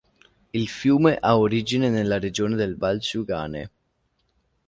Il fiume ha origine nella regione del Vasjugan'e.